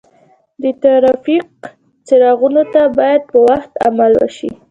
د ترافیک څراغونو ته باید په وخت عمل وشي.